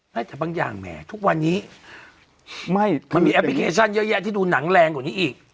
น่าจะบางอย่างแหมทุกวันนี้มีแอปเพิกเกชั่นเยอะแยะที่ดูหนังแรงต่อนี่อีก